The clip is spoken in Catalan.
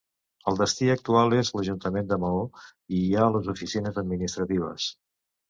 El destí actual és l'Ajuntament de Maó i hi ha les oficines administratives.